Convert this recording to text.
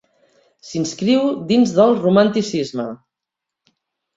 S'inscriu dins del Romanticisme.